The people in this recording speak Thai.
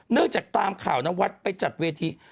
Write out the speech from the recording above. เนื่องจากตามข่าวนวัดไปจัดเวที